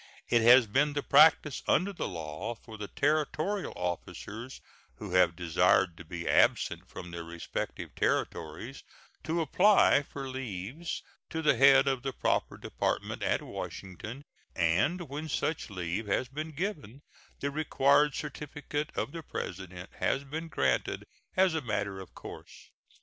It has been the practice under this law for the Territorial officers who have desired to be absent from their respective Territories to apply for leaves to the head of the proper Department at Washington, and when such leave has been given the required certificate of the President has been granted as a matter of course.